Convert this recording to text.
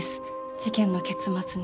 事件の結末に。